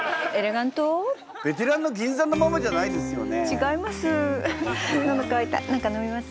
違います。